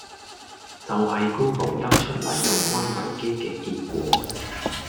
就係 Google 得出黎有關維基既結果